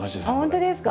本当ですか？